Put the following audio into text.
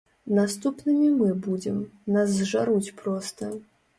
Наступнымі мы будзем, нас зжаруць проста.